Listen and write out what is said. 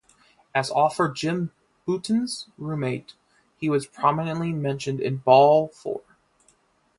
As author Jim Bouton's roommate, he was prominently mentioned in "Ball Four".